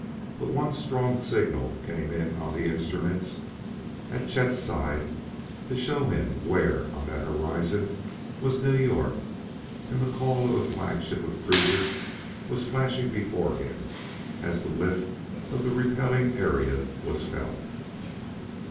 But one strong signal came in on the instruments at Chet's side to show him where on that horizon was New York; and the call of a flagship of cruisers was flashing before him as the lift of the Repelling Area was felt.